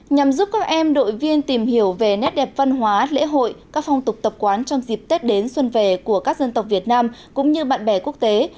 nhằm giúp các em đội viên tìm hiểu về nét đẹp văn hóa lễ hội các phong tục tập quán trong dịp tết đến xuân về của các dân tộc việt nam cũng như bạn bè quốc tế